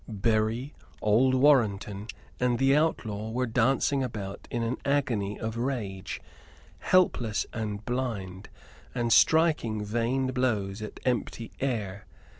Berry, old Warrenton, and the outlaw were dancing about in an agony of rage, helpless and blind, and striking vain blows at empty air.